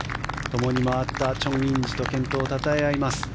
ともに回ったチョン・インジと健闘をたたえ合います。